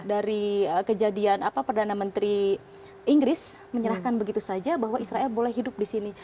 dari kejadian perdana menteri inggris menyerahkan begitu saja bahwa israel boleh hidup di sini